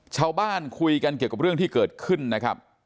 ชาวบ้านคุยกันเกี่ยวกับเรื่องที่เกิดขึ้นนะครับ